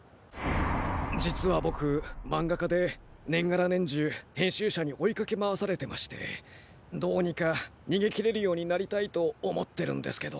実はぼくまんがかで年がら年中編集者に追いかけ回されてましてどうにかにげきれるようになりたいと思ってるんですけど。